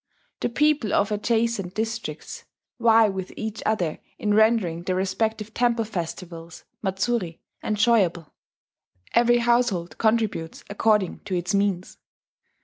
The people of adjacent districts vie with each other in rendering their respective temple festivals (matsuri) enjoyable: every household contributes according to its means.